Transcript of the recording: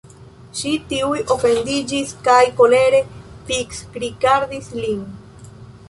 Ŝi tuj ofendiĝis kaj kolere fiksrigardis lin.